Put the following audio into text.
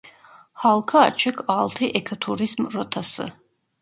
Halka açık altı ekoturizm rotası: